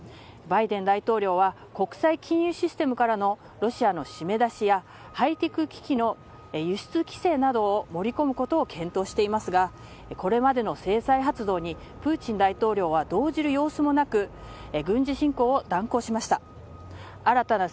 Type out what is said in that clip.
バイデン大統領は国際金融システムからのロシアの締め出しやハイテク機器の輸出規制などを盛り込むことを検討していますがこれまでの制裁発動にプーチン大統領は動じる様子もなく軍事侵攻を断行しました。